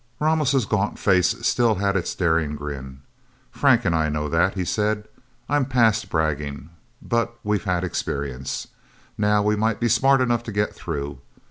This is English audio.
Ramos' gaunt face still had its daring grin. "Frank and I know that," he said. "I'm past bragging. But we've had experience. Now, we might be smart enough to get through.